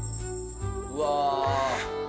うわ！